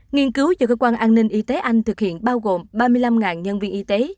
nghiên cứu cho cơ quan an ninh y tế anh thực hiện bao gồm ba mươi năm nhân viên y tế